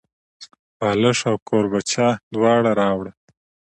بالښت او کوربچه دواړه راوړه.